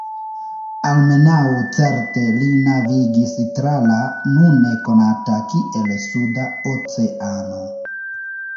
Almenaŭ certe li navigis tra la nune konata kiel Suda Oceano.